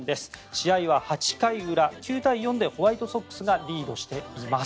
試合は８回裏９対４でホワイトソックスがリードしています。